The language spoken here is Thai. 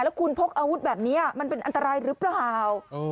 แล้วคุณพกอาวุธแบบนี้มันเป็นอันตรายหรือเปล่า